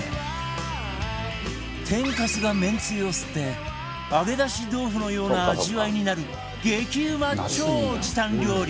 天かすがめんつゆを吸って揚げ出し豆腐のような味わいになる激うま超時短料理